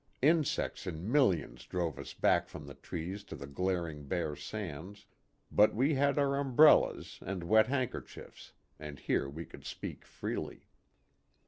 Insects in millions drove us back from the trees to the glaring bare sands, but we had our umbrellas and wet hand kerchiefs, and here we could speak freely.